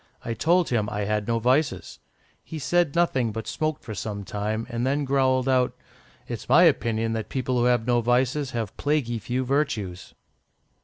I told him I had no vices. He said nothing, but smoked for some time, and then growled out, 'It's my opinion that people who have no vices have plaguy few virtues.